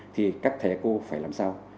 thì các thầy cô phải làm sao